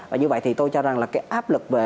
và như vậy thì tôi cho rằng là cái áp lực về